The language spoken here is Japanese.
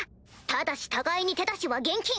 ただし互いに手出しは厳禁！